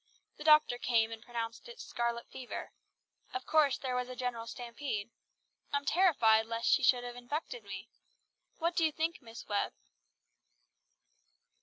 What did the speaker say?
The doctor came and pronounced it scarlet fever. Of course there was a general stampede. I'm terrified lest she should have infected me. What do you think, Miss Webb?"